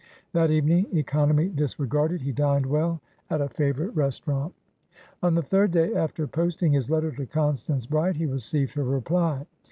That evening, economy disregarded, he dined well at a favourite restaurant. On the third day after posting his letter to Constance Bride, he received her reply.